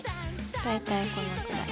大体このくらい。